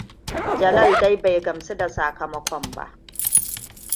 Jalal dai bai gamsu da sakamakon ba.